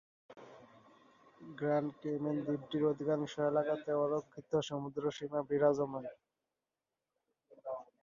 Grand Cayman দ্বীপটির অধিকাংশ এলাকাতে অরক্ষিত সমুদ্র সীমা বিরাজমান।